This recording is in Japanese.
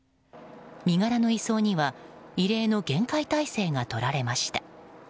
身柄の移送には異例の厳戒態勢が取られました。